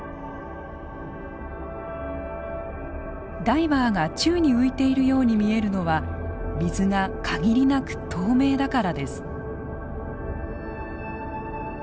ダイバーが宙に浮いているように見えるのは水が限りなく透明だからです。